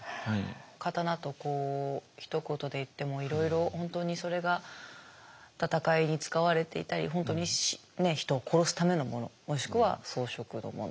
刀とひと言で言ってもいろいろ本当にそれが戦いに使われていたり本当に人を殺すためのものもしくは装飾のもの